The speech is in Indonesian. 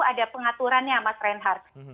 ada pengaturannya mas reinhardt